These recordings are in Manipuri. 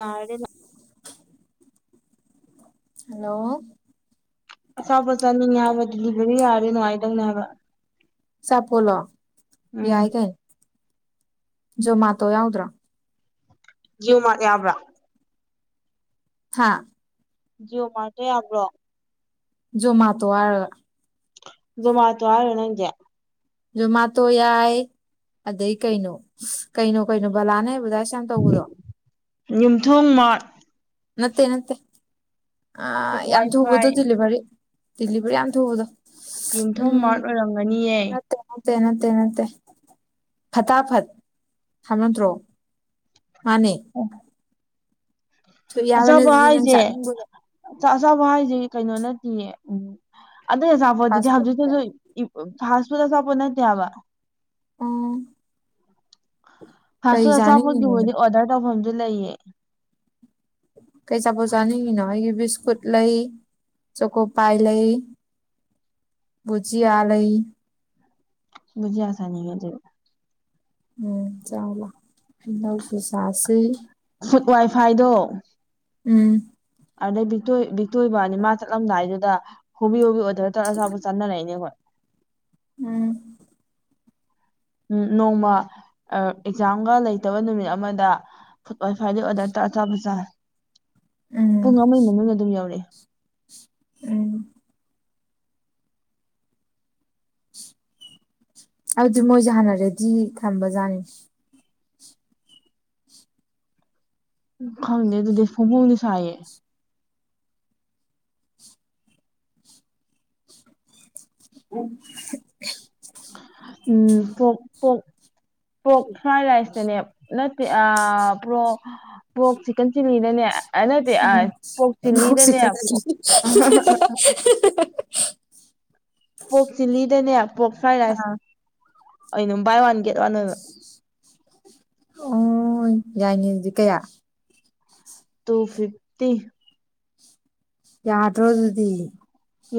ꯌꯥꯔꯗꯤ ꯍꯜꯂꯣ ꯑꯆꯥꯥꯄꯣꯠ ꯆꯥꯅꯤꯡꯉꯦ ꯍꯥꯏꯕ ꯗꯤꯂꯤꯚꯔꯤ ꯌꯥꯔꯗꯤ ꯅꯨꯡꯉꯥꯏꯗꯧꯅꯦ ꯍꯥꯏꯕ ꯆꯥꯄꯣꯠꯂꯣ ꯎꯝ ꯌꯥꯏ ꯀꯩꯅꯣ ꯖꯣꯃꯥꯇꯣ ꯌꯥꯎꯗ꯭ꯔꯣ ꯖꯤꯑꯣ ꯃꯥꯔꯠ ꯌꯥꯕ꯭ꯔꯥ ꯍꯥꯥ ꯖꯤꯑꯣ ꯃꯥꯔꯠꯇꯥ ꯌꯥꯕ꯭ꯔꯣ ꯖꯣꯃꯥꯇꯣ ꯍꯥꯏꯔꯒꯥ ꯖꯣꯃꯥꯇꯣ ꯍꯥꯏꯔꯣ ꯅꯪꯖꯦ ꯖꯣꯃꯥꯇꯣ ꯌꯥꯏ ꯑꯗꯩ ꯀꯩꯅꯣ ꯀꯩꯅꯣ ꯀꯩꯅꯣ ꯕꯂꯥꯅꯥ ꯑꯦꯕꯗꯥꯥꯏꯁ ꯇꯧꯕꯗꯣ ꯌꯨꯝꯊꯣꯡ ꯃꯥꯔꯠ ꯅꯠꯇꯦ ꯅꯠꯇꯦ ꯑ ꯐꯨꯗ ꯌꯥꯝ ꯋꯥꯏ ꯐꯥꯏ ꯊꯨꯕꯗꯣ ꯗꯤꯂꯤꯚꯔꯤ ꯗꯤꯂꯤꯚꯔꯤ ꯌꯥꯝ ꯊꯨꯕꯗꯣ ꯌꯨꯝꯊꯣꯡ ꯎꯝ ꯃꯥꯔꯠ ꯑꯣꯏꯔꯝꯒꯅꯤꯌꯦ ꯅꯠꯇꯦ ꯅꯠꯇꯦ ꯅꯠꯇꯦ ꯅꯠꯇꯦ ꯐꯠꯇꯥ ꯐꯠ ꯅꯠꯇ꯭ꯥꯔꯣ ꯃꯥꯅꯦ ꯊꯨ ꯌꯥꯕꯅꯦ ꯑꯆꯥꯄꯣꯠ ꯑꯗꯨꯗꯤ ꯅꯪ ꯍꯥꯏꯖꯦ ꯆꯥꯅꯤꯡꯕꯗꯣ ꯑꯆꯥ ꯑꯆꯥꯄꯣꯠ ꯍꯥꯏꯁꯦ ꯀꯩꯅꯣ ꯅꯠꯇꯤꯌꯦ ꯎꯝ ꯑꯇꯩ ꯑꯆꯥꯄꯣꯠꯗꯨꯗꯤ ꯐꯥꯁ ꯍꯧꯖꯤꯛꯇꯤ ꯐꯨꯗꯇ ꯐꯥꯁ ꯐꯨꯗ ꯑꯆꯥꯄꯣꯠ ꯅꯠꯇꯦ ꯍꯥꯏꯕꯥ ꯎꯝ ꯐꯥꯁ ꯀꯩ ꯐꯨꯗ ꯑꯆꯥꯄꯣꯠ ꯆꯥꯅꯤꯡꯉꯤꯅꯣ ꯗꯨꯕꯨꯗꯤ ꯅꯪ ꯑꯣꯔꯗꯔ ꯇꯧꯐꯝꯗꯨ ꯂꯩꯌꯦ ꯀꯩ ꯆꯥꯄꯣꯠ ꯆꯥꯅꯤꯡꯉꯤꯅꯣ ꯑꯩꯒꯤ ꯕꯤꯁꯀꯨꯠ ꯂꯩ ꯆꯣꯀꯣ ꯄꯥꯏ ꯂꯩ ꯕꯨꯖꯤꯌꯥ ꯂꯩ ꯕꯨꯖꯤꯌꯥ ꯆꯥꯅꯤꯡꯉꯦ ꯑꯗꯨꯗꯤ ꯎꯝ ꯆꯥꯎꯂꯥꯎ ꯍꯩꯅꯧꯁꯨ ꯆꯥꯁꯤ ꯐꯨꯗ ꯋꯥꯏꯐꯥꯏꯗꯣ ꯎꯝ ꯑꯗꯨꯗꯩ ꯕꯤꯛꯇꯣꯏꯕꯅꯤ ꯃꯥ ꯆꯠꯂꯝꯗꯥꯏꯗꯨꯗ ꯍꯣꯕꯦ ꯍꯣꯕꯦ ꯑꯣꯗꯔ ꯇꯧꯔꯒꯥ ꯑꯥꯆꯥꯄꯣꯠ ꯆꯥꯅꯥꯔꯛꯏꯅꯦ ꯈꯣꯏ ꯎꯝ ꯎꯝ ꯅꯣꯡꯃ ꯑꯦꯛꯖꯥꯝꯒ ꯂꯩꯇꯕ ꯅꯨꯃꯤꯠ ꯑꯃꯥꯗ ꯐꯨꯗ ꯋꯥꯏ ꯐꯥꯏꯗꯥ ꯑꯣꯗꯔ ꯑꯆꯥ‍ꯄꯣꯠ ꯆꯥ ꯎꯝ ꯄꯨꯡ ꯑꯃꯒꯤ ꯃꯅꯨꯡꯗ ꯑꯗꯨꯝ ꯌꯧꯔꯛꯑꯦ ꯎꯝ ꯑꯗꯨꯗꯤ ꯃꯣꯏꯁꯦ ꯍꯥꯟꯅ ꯔꯦꯗꯤ ꯊꯝꯕꯖꯥꯠꯅꯤ ꯈꯪꯗꯦ ꯑꯗꯨꯗꯤ ꯐꯣꯡ ꯐꯣꯡꯗꯤ ꯁꯥꯏꯌꯦ [unintelligible] ꯎꯝ ꯄꯣꯛ ꯄꯣꯛ ꯐ꯭ꯔꯥꯏ ꯔꯥꯏꯁꯇꯅꯦ ꯅꯠꯇꯦ ꯄ꯭ꯔꯣ ꯄꯣꯛ ꯆꯤꯛꯀꯟ ꯆꯤꯂꯤꯅꯅꯦ [unintelligible] [unintelligible] ꯄꯣꯛ ꯆꯤꯂꯤꯗꯅꯦ ꯄꯣꯛ ꯐ꯭ꯔꯥꯏ ꯔꯥꯏꯁ ꯑꯥ ꯕꯥꯏ ꯋꯥꯟ ꯒꯦꯠ ꯋꯥꯟ ꯟꯠꯇꯔꯣ ꯑꯣ ꯌꯥꯏꯅꯦ ꯑꯗꯨꯗꯤ ꯀꯩꯕꯥ ꯇꯨ ꯐꯤꯐꯇꯤ ꯌꯥꯗꯔꯣ ꯑꯗꯨꯗꯤ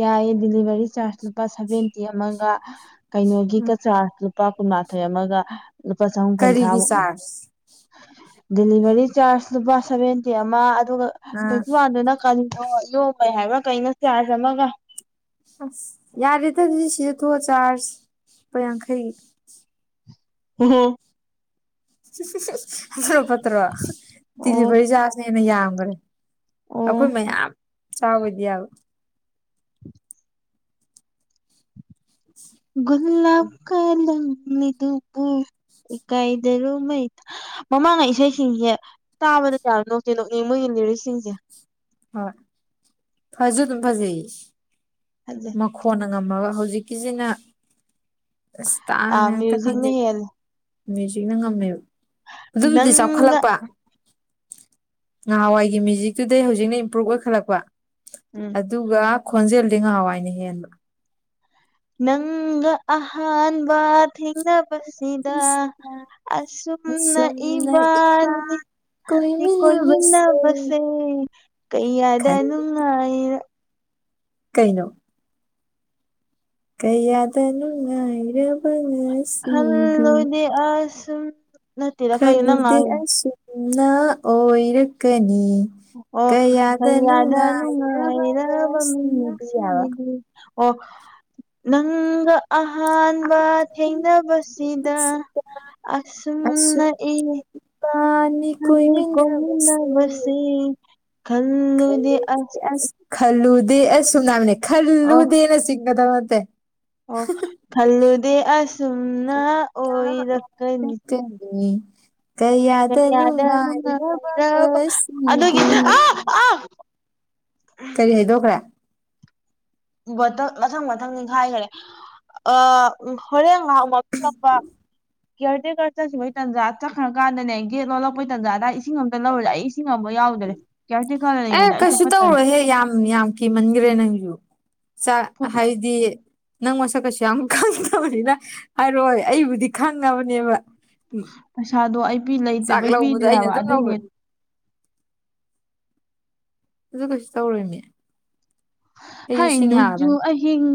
ꯌꯥꯏꯌꯦ ꯗꯦꯂꯤꯚꯔꯤ ꯆꯥꯔꯖ ꯂꯨꯄꯥ ꯁꯚꯦꯟꯇꯤ ꯑꯃꯒ ꯎꯝ ꯀꯩꯅꯣꯒꯤꯒ ꯆꯥꯔꯖ ꯂꯨꯄꯥ ꯀꯨꯟꯃꯥꯊꯣꯏ ꯑꯃꯒ ꯂꯨꯄꯥ ꯆꯍꯨꯝ ꯀꯔꯤꯒꯤ ꯀꯨꯟꯊ꯭ꯔꯥꯃꯨꯛ ꯆꯥꯔꯖ ꯗꯦꯂꯤꯚꯔꯤ ꯆꯥꯔꯖ ꯂꯨꯄꯥ ꯁꯚꯦꯟꯇꯤ ꯑꯃ ꯑꯗꯨꯒ ꯑꯥ ꯇ꯭ꯋꯦꯟꯇꯤ ꯋꯥꯟꯗꯨꯅ ꯀꯟꯗꯣ ꯌꯣꯒꯩ ꯍꯥꯏꯕ꯭ꯔꯥ ꯀꯩꯅꯣ ꯆꯥꯖꯃꯒ ꯑꯁ ꯌꯥꯔꯦꯗ ꯑꯗꯨꯗꯤ ꯁꯤꯗ ꯊꯣꯛꯑꯣ ꯆꯥꯔꯖ ꯂꯨꯄꯥ ꯌꯥꯡꯈꯩ ꯍ ꯍꯣ ꯐꯠꯇ꯭ꯔꯣ ꯐꯠꯇ꯭ꯔꯣ ꯑꯣ ꯗꯤꯜꯂꯤꯚꯔꯤꯖꯥꯔꯥꯁꯅ ꯍꯦꯟꯅ ꯌꯥꯝꯈ꯭ꯔꯦ ꯑꯣ ꯑꯩꯈꯣꯏ ꯃꯌꯥꯝ ꯆꯥꯕꯗꯤ ꯌꯥꯕ ꯒꯨꯂꯥꯞꯀꯀ ꯂꯪꯅꯤꯗꯨꯏꯀꯥꯏꯗꯔꯣ ꯃꯩ ꯃꯃꯥꯡꯉ ꯩꯏꯁꯩꯁꯤꯡꯁꯦ ꯇꯥꯕꯗ ꯀꯌꯥ ꯅꯣꯛꯇꯦ ꯅꯣꯛꯅꯤꯡ ꯃꯣꯏꯒꯤ ꯂꯤꯔꯤꯁꯁꯤꯡꯁꯦ ꯍꯣꯏ ꯐꯖꯨ ꯑꯗꯨꯝꯐꯖꯤ ꯍꯥꯏꯗꯦ ꯃꯈꯣꯟꯅ ꯉꯝꯃꯒ ꯍꯧꯖꯤꯛꯀꯤꯁꯤꯅ ꯑꯁ ꯑ ꯇꯥꯡꯅꯦ ꯑꯦꯛꯇ ꯃ꯭ꯌꯨꯖꯤꯛꯅ ꯈꯪꯖꯗ ꯍꯦꯜꯂꯦ ꯃꯦꯖꯤꯛꯅ ꯉꯝꯃꯦꯕ ꯑꯗꯨꯕꯨꯗꯤ ꯅꯪꯒ ꯆꯥꯎꯈꯠꯂꯛꯄ ꯅꯍꯥꯟꯋꯥꯏꯒꯤ ꯃ꯭ꯌꯨꯖꯤꯛꯇꯨꯗꯩ ꯍꯧꯖꯤꯛꯅ ꯏꯝꯄ꯭ꯔꯨꯚ ꯑꯣꯏꯈꯠꯂꯛꯄ ꯎꯝ ꯑꯗꯨꯒ ꯈꯣꯟꯖꯦꯜꯗꯤ ꯉꯍꯥꯟꯋꯥꯏꯅ ꯍꯦꯟꯕ ꯅꯪꯒ ꯑꯍꯥꯟ ꯊꯦꯪꯅꯥꯕꯥꯅ ꯁꯤꯗ ꯑꯁꯨꯝꯅ ꯏꯕꯥꯅꯤ ꯀꯣꯏ ꯃꯤꯟꯅ ꯀꯣꯏꯃꯤꯟꯅꯕꯁꯦ ꯁꯦ ꯀꯩ ꯈꯟ ꯌꯥꯗꯅ ꯅꯨꯪꯉꯥꯏꯇꯥꯕꯥ ꯀꯩꯅꯣ ꯀꯩꯌꯥꯗꯅꯨ ꯉꯥꯏꯔꯕ ꯉꯁꯤꯁꯦ ꯈꯜ ꯂꯨꯗꯦ ꯑꯁꯨꯝ ꯅꯠꯇꯦꯗ ꯀꯩꯅꯣ ꯅꯪ ꯈꯜꯂꯨꯗꯦ ꯉꯥꯡꯉꯤꯗꯣ ꯑꯁꯨꯝꯅ ꯑꯣꯏꯔꯛꯀꯅꯤ ꯑꯣ ꯑꯣ ꯀꯌꯥꯗ ꯃꯌꯥꯗ ꯅꯨꯡꯉꯥꯏꯔꯕ ꯅꯨꯡꯉꯥꯏꯔꯕ ꯃꯤ ꯉꯁꯤꯗꯤ ꯍꯥꯏꯕ ꯉꯁꯤꯗꯤ ꯑꯣ ꯅꯪꯒ ꯑꯍꯥꯟꯕ ꯊꯦꯡꯅꯕꯁꯤꯗ ꯑꯁꯨꯝꯅ ꯏꯕꯅꯤ ꯃꯤꯟꯅꯕꯁꯤ ꯀꯣꯏꯃꯤꯅꯕꯁꯦꯁ ꯈꯥꯜꯂꯨꯗꯦ ꯑꯁꯨꯝꯅ ꯈꯜꯂꯨꯗꯦ ꯑꯁ ꯈꯜꯂꯨꯗꯦ ꯑꯁ ꯁꯨꯝ ꯅꯥꯕꯅꯦ ꯑꯣ ꯈꯜꯂꯨꯗꯦꯅ ꯆꯤꯡꯒꯗꯕ ꯅꯠꯇꯦ ꯑꯣ ꯈꯜꯂꯨꯗꯦ ꯑꯁꯨꯝꯅ ꯑꯣꯏꯔꯛꯀꯅꯤ ꯀ [inaudible] ꯉꯁꯤꯗꯤ [unintelligible] ꯀꯔꯤ ꯍꯥꯏꯗꯣꯛꯈ꯭ꯔꯦ ꯕꯣꯇꯜ ꯃꯊꯪ ꯃꯊꯪ ꯅꯤꯡꯈꯥꯏꯈꯔꯦ ꯑ ꯎ ꯍꯣꯔꯦꯟ ꯉꯍꯥꯛ ꯃꯄꯤꯄ ꯀꯦꯌꯔ ꯇꯦꯀꯔ ꯆꯠꯁꯤꯈꯤꯕꯩ ꯇꯥꯟꯖꯥ ꯆꯠꯈ꯭ꯔꯀꯥꯟꯗꯅꯦ ꯒꯠ ꯂꯣꯜꯂꯛꯄꯩ ꯇꯥꯟꯖꯥꯗꯗꯥ ꯏꯁꯤꯡ ꯑꯃꯝꯇ ꯂꯧꯔꯗ ꯑꯩ ꯏꯁꯤꯡ ꯑꯃ ꯌꯥꯎꯦ ꯑꯦ ꯀꯩꯁꯨ ꯇꯧꯔꯣꯌꯦ ꯀꯤꯃꯟꯒꯔꯦ ꯅꯪꯖꯨ ꯍꯥꯏꯗꯤ ꯅꯪ ꯃꯁꯛꯀꯁꯨ ꯌꯥꯝ ꯈꯪꯗꯕꯅꯤꯅ ꯍꯥꯏꯔꯣꯏ ꯑꯩꯕꯨꯗꯤ ꯈꯪꯅꯕꯅꯦꯕ ꯄꯩꯁꯥꯗꯣ ꯑꯩ ꯆꯥꯛ ꯂꯩꯇꯕꯩ ꯂꯧꯕꯗꯣ ꯄꯤꯗ꯭ꯔꯦ ꯑꯩꯅ ꯍꯥꯏꯕ ꯑꯗꯨꯝ ꯑꯗꯨꯏꯅꯦ ꯂꯧꯈ꯭ꯔꯦ ꯑꯗꯨꯁꯨ ꯀꯩꯁꯨ ꯇꯧꯔꯣꯏꯃꯤ ꯑꯩꯁꯨ ꯍꯥꯏ ꯁꯤꯡ ꯅꯨꯨꯡꯖꯨ ꯑꯍꯤꯡ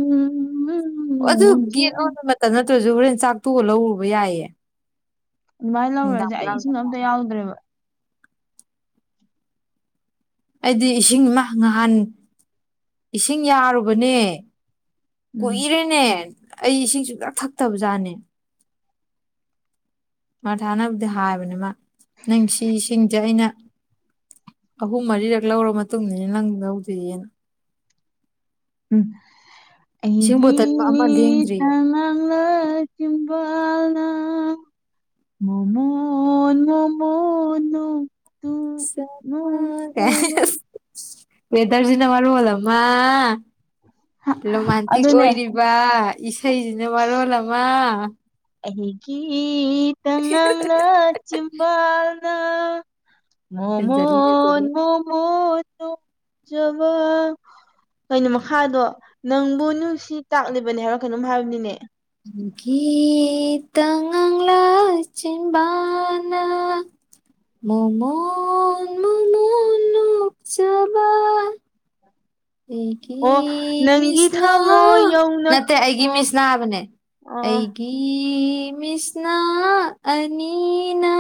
ꯑꯣ ꯑꯗꯨ ꯅꯣꯡꯖꯨ ꯒꯦꯠ ꯑꯍꯤꯡ ꯂꯣꯟꯕ ꯃꯇꯝ ꯅꯠꯇ꯭ꯔꯁꯨ ꯍꯣꯔꯦꯟ ꯆꯥꯛꯇꯣꯛꯑ ꯂꯧꯔꯨꯕ ꯌꯥꯏꯌꯦ ꯑꯗꯨꯃꯥꯏꯅ ꯅꯨꯡꯗꯥꯡ ꯂꯧꯔꯁꯦ ꯑꯩ ꯏꯁꯤꯡ ꯍꯨꯔꯥꯟꯕꯗ ꯑꯝꯇ ꯌꯥꯎꯗ꯭ꯔꯦꯕ ꯑꯩꯗꯤ ꯏꯁꯤꯡ ꯅꯍꯥꯟ ꯏꯁꯤꯡ ꯌꯥꯔꯨꯕꯅꯦ ꯎꯝ ꯀꯣꯏꯔꯦꯅꯦ ꯑꯩ ꯏꯁꯤꯡꯁꯨ ꯀ ꯊꯛꯛꯇꯕ ꯖꯥꯠꯅꯦ ꯃꯥ ꯊꯥꯅꯕꯗꯤ ꯍꯥꯏꯕꯅꯤꯃ ꯅꯪ ꯁꯤꯁꯤꯡꯁꯦ ꯑꯩꯅ ꯑꯍꯨꯝ ꯃꯔꯤꯔꯛ ꯂꯧꯔ ꯃꯇꯨꯡꯅꯦ ꯅꯪ ꯂꯧꯗꯣꯏꯔꯤꯌꯦꯅ ꯎꯝ ꯏꯁꯤꯡ ꯑꯩꯒꯤ ꯕꯣꯇꯜ ꯑꯃ ꯂꯦꯡꯗ꯭ꯔꯤꯌꯦ ꯇꯪ ꯃꯥꯡꯂꯥ ꯆꯕꯥꯜꯅ ꯃꯣꯃꯣꯟ ꯃꯃꯣꯟ ꯅꯣꯛꯆꯕ ꯦꯇꯔꯖꯤꯅ ꯃꯔꯔ ꯍꯣꯂꯃ ꯔꯣꯃꯥꯟꯇꯤꯛ ꯑꯗꯨꯅꯦ ꯑꯣꯏꯔꯤꯕ ꯏꯁꯩꯁꯤꯅ ꯃꯔꯣꯜ ꯑꯃꯃ ꯑꯩꯒꯤꯇ ꯅꯪꯅ ꯆꯕꯥꯜꯅ ꯍꯦꯟꯖꯜꯂꯦ ꯃꯣꯃꯣꯟ ꯍꯦꯟꯖꯜꯂꯦ ꯃꯣꯃꯣꯟ ꯇ ꯆꯕ ꯀꯩꯅꯣ ꯃꯈꯥꯗꯣ ꯅꯪꯕꯨ ꯅꯨꯡꯁꯤ ꯇꯥꯛꯂꯤꯕꯅꯦ ꯍꯥꯏꯕꯔꯣ ꯀꯩꯅꯣꯝ ꯍꯥꯏꯕꯅꯤꯅꯦ ꯒꯤꯇꯪꯪꯂ ꯂ ꯆꯤꯟꯕꯥꯅ ꯃꯣꯃꯣꯟꯣꯟ ꯃꯣꯃꯣꯟ ꯂꯨꯞꯆꯕ ꯑꯣ ꯅꯪꯒꯤ ꯊꯝꯃꯣ ꯌꯧꯅ ꯑꯣ ꯑ ꯀꯤ ꯃꯤꯁꯅꯥ ꯑꯅꯤꯅꯥ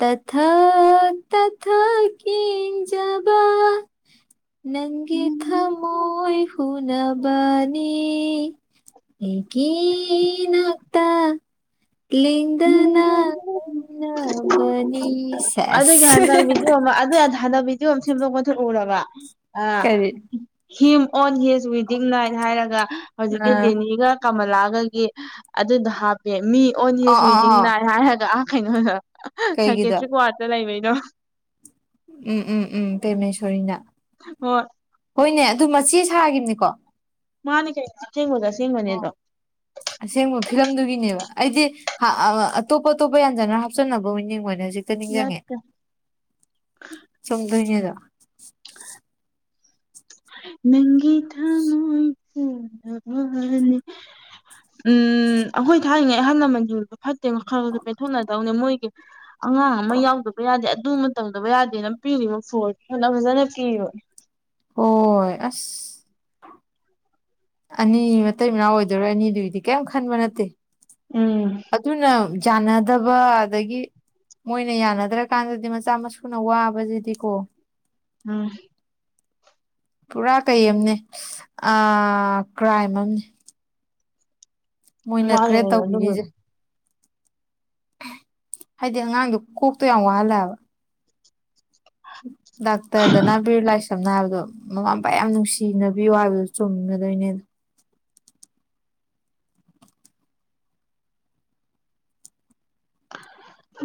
ꯇꯊꯥ ꯇꯊꯥ ꯀꯖꯕ ꯅꯪꯒꯤꯤ ꯅꯪꯒꯤ ꯊ ꯊꯝꯃꯣꯏ ꯃꯣꯏꯣꯏ ꯍꯨꯅꯕꯅꯤ ꯍ ꯅꯛꯇ ꯂꯤꯗꯅ ꯌꯧꯅ ꯀꯟꯅꯕꯅꯤ ꯑꯗꯨꯒꯤ ꯁꯁ ꯍꯟꯗꯛ ꯚꯤꯗꯤꯑꯣ ꯑꯗꯨ ꯌꯥꯝ ꯍꯥꯟꯅꯕꯤꯗꯨ ꯑꯃ ꯁꯦꯝꯗꯣꯛ ꯑꯣꯊꯣꯛꯎꯔꯕ ꯑꯥ ꯀꯔꯤ ꯍꯤꯝ ꯑꯣꯟ ꯍꯤꯁ ꯋꯤꯗꯤꯡ ꯅꯥꯏꯠ ꯍꯥꯏꯔꯒ ꯍꯧꯖꯤꯛꯀꯤ ꯑ ꯗꯦꯅꯤꯒ ꯀꯃꯂꯥꯒꯒꯤ ꯑꯗꯨꯗꯣ ꯍꯥꯞꯄꯦ ꯃꯤ ꯑ ꯑꯣꯟꯁꯤ ꯑ ꯁꯨꯋꯤꯗꯤꯤꯡ ꯑ ꯅꯥꯏ ꯍꯥꯏꯔꯒ ꯑꯥ ꯈꯩꯅꯣ ꯀꯩꯒꯤꯗ ꯁꯥꯏꯀꯦꯇ꯭ꯔꯤꯛ ꯋꯥꯔꯗꯇ ꯂꯩꯕꯩꯅꯣ ꯎꯝ ꯎꯝ ꯎꯝ ꯄꯦꯔꯃꯦꯁꯔꯤꯅ ꯍꯣꯏ ꯍꯣꯏꯅꯦ ꯑꯗꯨ ꯃꯆꯦ ꯁꯥꯈꯤꯕꯅꯤꯀꯣ ꯃꯥꯅꯤ ꯀ ꯁꯤꯃꯗ ꯎꯝ ꯁꯤꯃꯅꯤꯗ ꯑꯁꯦꯡꯕ ꯐꯤꯂꯝꯗꯨꯒꯤꯅꯦꯕ ꯑꯩꯗꯤ ꯑ ꯑꯇꯣꯞ ꯑꯇꯣꯞꯄ ꯌꯥꯟꯖꯅ ꯍꯥꯞꯆꯤꯟꯅꯕ ꯑꯣꯏꯅ ꯌꯦꯉꯦ ꯍꯧꯖꯤꯛ ꯛꯇ ꯅꯤꯡꯁꯤꯡꯪꯉꯦ ꯅꯠꯇꯦ ꯆꯨꯝꯗꯣꯏꯅꯦꯗꯣ ꯅꯪꯒꯤ ꯊ ꯃꯣꯏ ꯆꯅꯤ ꯎꯝ ꯑꯩꯈꯣꯏ ꯊꯥꯛꯏꯉꯩ ꯑꯍꯜ ꯂꯃꯟꯖꯨꯔꯗꯣ ꯐꯠꯇꯦ ꯈꯜꯗ ꯄꯦꯟꯊꯣꯛꯅꯗꯧꯅꯦ ꯃꯣꯏꯒꯤ ꯑꯉꯥꯡ ꯑꯃ ꯌꯥꯎꯗꯕ ꯌꯥꯗꯦ ꯑꯗꯨꯃ ꯇꯧꯗꯕ ꯌꯥꯗꯦ ꯅ ꯄꯤꯔꯤꯕ ꯐꯣꯟ ꯐꯣꯟꯅ ꯐꯖꯅ ꯄꯤꯕ ꯍꯣꯏ ꯑꯁ ꯑꯅꯤ ꯃꯇꯩ ꯃꯅꯥꯎ ꯑꯣꯏꯗꯣꯏꯔꯣꯏ ꯑꯅꯤꯗꯨꯒꯤꯗꯤ ꯀꯔꯤꯝ ꯈꯟꯕ ꯅꯠꯇꯦ ꯎꯝ ꯑꯗꯨꯅ ꯌꯥꯅꯗꯕ ꯑꯗꯒꯤ ꯃꯣꯏꯅ ꯌꯥꯅꯗ꯭ꯔꯀꯥꯟꯗꯗꯤ ꯃꯆꯥ ꯃꯁꯨꯅ ꯋꯥꯕꯁꯤꯗꯤ ꯀꯣ ꯎꯝ ꯄꯨꯔꯥ ꯀꯩ ꯑꯅꯦ ꯀ꯭ꯔꯥꯏꯝ ꯑꯅꯦ ꯃꯣꯏꯅ ꯈꯔꯦ ꯃꯥꯒꯤꯅꯦ ꯑꯗꯨꯒ ꯇꯧꯕꯤꯅꯤꯁꯦ ꯍꯥꯏꯗꯤ ꯑꯉꯥꯡꯗꯣ ꯀꯣꯛꯇꯣ ꯌꯥꯝ ꯋꯥꯍꯜꯂꯑꯕ ꯗꯥꯛꯇꯔꯗꯅꯥ ꯕꯤꯔꯂ ꯁꯝꯅ ꯍꯥꯏꯔꯕꯗꯣ ꯃꯃꯥ ꯃꯄꯥ ꯌꯥꯝ ꯅꯨꯡꯁꯤꯅꯕꯤꯌꯨ ꯍꯥꯏꯕꯗꯨꯣ ꯆꯨꯝꯒꯗꯣꯏꯅꯦ ꯑ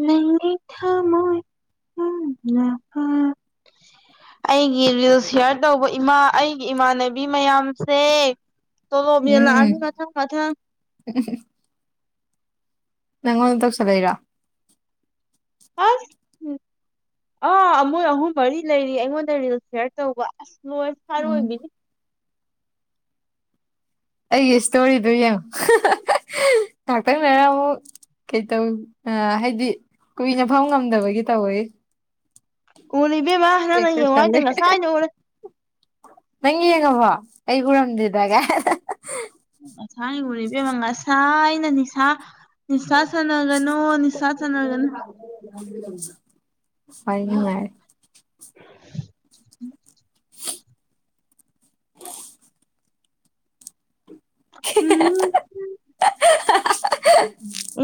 ꯅꯉ ꯊꯥ ꯃꯣꯏ ꯎ ꯑꯩꯒꯤ ꯔꯤꯜ ꯁꯤꯌꯥꯔ ꯇꯧꯕ ꯏꯃꯥ ꯑꯩꯒꯤ ꯏꯃꯥꯟꯅꯕꯤ ꯃꯌꯥꯝꯁꯦ ꯇ ꯃꯤ ꯂꯅꯤ ꯀꯊ ꯀꯊꯥ ꯎꯝ ꯅꯪꯉꯣꯟꯗ ꯇꯧꯁꯂꯏꯔꯣ ꯑ ꯎ ꯑꯥ ꯑꯃꯣꯏ ꯑꯍꯨꯝ ꯃꯔꯤ ꯂꯩꯔꯤ ꯑꯩꯉꯣꯟꯗ ꯔꯤꯜ ꯁꯤꯌꯥꯔ ꯇꯧꯕ ꯑꯁ ꯅꯣꯏ ꯎꯝ ꯁꯥꯔꯣꯏꯕꯤꯅꯤ ꯑꯩꯒꯤ ꯏꯁꯇꯣꯔꯤꯗꯨ ꯌꯦꯡꯉꯣ ꯉꯥꯛꯇꯪꯅꯔ ꯑꯃꯨꯛ ꯀꯩꯇꯧ ꯍꯥꯏꯗꯤ ꯀꯨꯏꯅ ꯐꯪ ꯉꯝꯗꯕꯒꯤ ꯇꯧꯋꯦ ꯎꯔꯦ ꯏꯕꯦꯝꯃ ꯇꯦꯛ ꯅꯪꯅ ꯌꯦꯡꯉꯣ ꯇꯧꯁꯜꯂꯦ [unintelligible] ꯉꯁꯥꯏꯅ ꯎꯔꯦ ꯅꯪ ꯌꯦꯡꯉꯕ ꯑꯩꯩ ꯎꯔꯝꯗꯦꯗ ꯉꯁꯥꯏ ꯎꯔꯦ ꯕꯦꯝꯃ ꯉꯁꯥꯏꯅ ꯅꯤꯁꯥ ꯅꯤꯡꯁꯥ ꯁꯅꯒꯅꯣ ꯅꯤꯁꯥ ꯁꯅꯥꯒꯅꯣ [unintelligible] [unintelligible] ꯎꯝ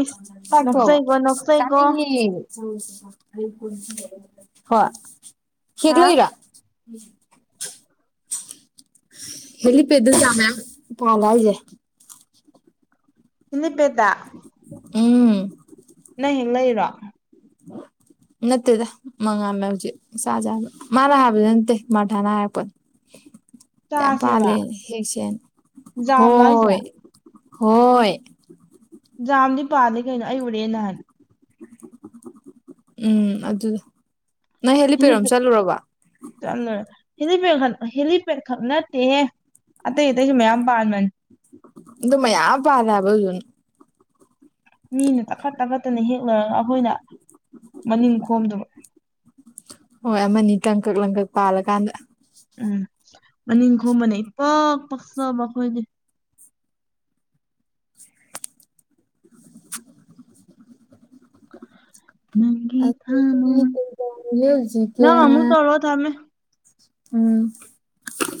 ꯏꯁ ꯅꯣꯛꯆꯩꯀꯣ ꯅꯣꯛꯆꯩꯀꯣ ꯆꯅꯤꯡꯉꯦ ꯍꯣꯏ ꯍꯦꯛ ꯍꯥ ꯂꯩꯕ꯭ꯔꯥ [unintelligible] ꯍꯦꯂꯤ ꯄꯦꯗ ꯆꯥ ꯃꯌꯝ ꯄꯜꯂꯦ ꯍꯥꯏꯖꯦ ꯍꯦꯂꯤꯄꯦꯠꯇ ꯎꯝ ꯅꯪ ꯍꯦꯛ ꯂꯩꯔꯣ [inaudible] ꯅꯠꯇꯦꯗ ꯃꯉꯥꯝꯃꯦ ꯍꯧꯖꯤꯛ ꯆꯥꯖꯦ ꯍꯥꯏꯕ ꯃꯥꯅ ꯍꯥꯏꯕꯗꯤ ꯅꯠꯇꯦ ꯃꯥꯊꯥꯅ ꯍꯥꯏꯔꯛꯄꯅꯤ [inaudible] ꯌꯥꯝ ꯄꯥꯂꯦ ꯍꯦꯛꯁꯦꯅ ꯖꯥꯝꯂꯣ ꯍꯥꯏꯁꯦ ꯍꯣꯏ ꯍꯣꯏ ꯖꯥꯝꯗꯤ ꯄꯥꯂꯤ ꯀꯩꯅꯣ ꯑꯩ ꯎꯔꯦ ꯅꯍꯥꯟ ꯎꯝ ꯑꯗꯨꯗ ꯅꯣ ꯍꯦꯂꯤꯄꯦꯗ ꯔꯣꯝ ꯍꯦꯂꯤꯄꯦꯠ ꯆꯠꯂꯨꯔꯕꯣ ꯆꯠꯂꯨꯔꯦ ꯍꯦꯂꯤꯄꯦꯗ ꯍꯦꯂꯤꯄꯦꯗ ꯈꯛ ꯅꯠꯇꯦꯍꯦ ꯑꯇꯩ ꯑꯇꯩꯁꯨ ꯃꯌꯥꯝ ꯄꯥꯟꯕꯅꯦ ꯑꯗꯨ ꯃꯌꯥꯝ ꯄꯥꯜꯂꯦ ꯍꯥꯏꯕ ꯑꯗꯨꯗꯨ ꯃꯤꯅ ꯇꯥꯈꯠ ꯇꯥꯈꯠꯇꯅ ꯍꯦꯛ ꯂꯣꯏꯔꯒ ꯑꯩꯈꯣꯏꯅ ꯃꯅꯤꯡ ꯈꯣꯝꯗꯨꯕ ꯍꯣꯏ ꯑꯃꯅꯤ ꯇꯪ ꯀꯛ ꯂꯪꯀꯛ ꯄꯥꯜꯂꯀꯥꯟꯗ ꯎꯝ ꯃꯅꯤꯡ ꯈꯣꯝꯕꯅ ꯏꯄꯛ ꯄꯛꯆꯕ ꯑꯈꯣꯏꯗꯤ ꯅꯪꯒꯤ ꯑꯗꯨꯗꯤ ꯊꯃꯣꯏ ꯀꯩꯗꯧꯔꯤꯒꯦ ꯍꯧꯖꯤꯛꯀꯤ ꯅꯪ ꯑꯃꯨꯛ ꯇꯧꯔꯣ ꯊꯝꯃꯦ ꯎꯝ